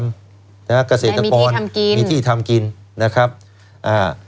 นะฮะเกษตรกรทำกินมีที่ทำกินนะครับอ่า